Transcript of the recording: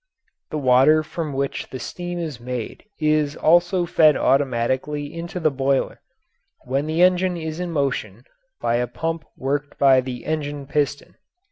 ] The water from which the steam is made is also fed automatically into the boiler, when the engine is in motion, by a pump worked by the engine piston.